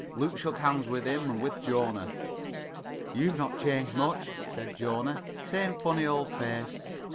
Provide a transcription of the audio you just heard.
Luke shook hands with him and with Jona. "You've not changed much," said Jona. "Same funny old face."